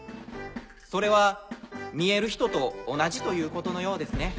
それは見える人と同じということのようですね。